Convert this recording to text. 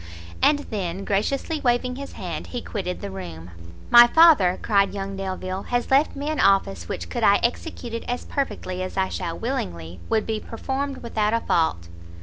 And then, graciously waving his hand, he quitted the room. "My father," cried young Delvile, "has left me an office which, could I execute it as perfectly as I shall willingly, would be performed without a fault."